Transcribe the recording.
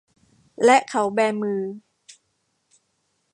และเขาแบมือ